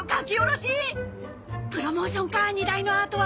プロモーションか荷台のアートは。